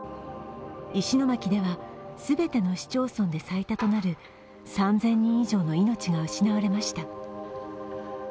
石巻では全ての市町村で最多となる３０００人以上の命が失われました。